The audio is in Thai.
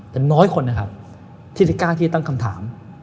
แต่น้อยคนนะครับที่จะกล้าที่จะตั้งคำถาม